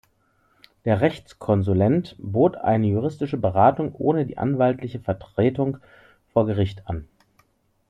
Der Rechtskonsulent bot eine juristische Beratung ohne die anwaltliche Vertretung vor Gericht an.